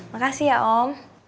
makasih ya om